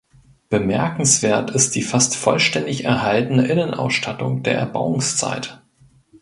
Bemerkenswert ist die fast vollständig erhaltene Innenausstattung der Erbauungszeit.